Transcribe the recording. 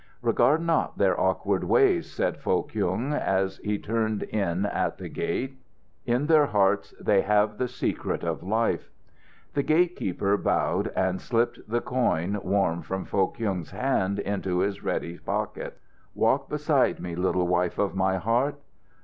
"Regard not their awkward ways," said Foh Kyung, as he turned in at the gate; "in their hearts they have the secret of life." The gate keeper bowed, and slipped the coin, warm from Foh Kyung's hand, into his ready pocket. "Walk beside me, little Wife of my Heart."